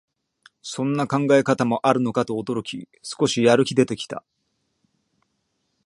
そんな考え方もあるのかと驚き、少しやる気出てきた